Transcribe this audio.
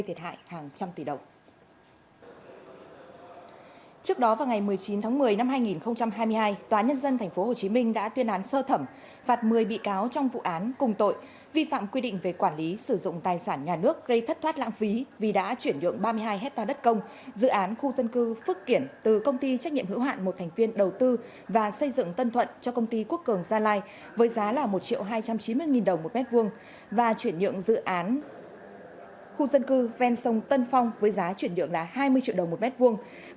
tháng một mươi năm hai nghìn hai mươi hai tòa nhân dân tp hcm đã tuyên án sơ thẩm phạt một mươi bị cáo trong vụ án cùng tội vi phạm quy định về quản lý sử dụng tài sản nhà nước gây thất thoát lãng phí vì đã chuyển nhượng ba mươi hai hectare đất công dự án khu dân cư phước kiển từ công ty trách nhiệm hữu hạn một thành viên đầu tư và xây dựng tân thuận cho công ty quốc cường gia lai với giá là một hai trăm chín mươi đồng một m hai và chuyển nhượng dự án khu dân cư ven sông tân phong với giá chuyển nhượng là hai mươi triệu đồng một m hai